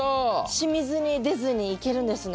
染みずに出ずにいけるんですね。